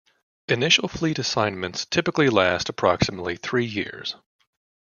Initial fleet assignments typically last approximately three years.